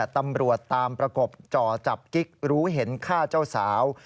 ตำรวจตามประกบจ่อจับกิ๊กรู้เห็นฆ่าเจ้าสาว